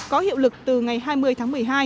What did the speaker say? có hiệu lực từ ngày hai mươi tháng một mươi hai